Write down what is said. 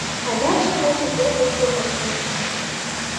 Адакшым таче первый огыл вашлийыныт.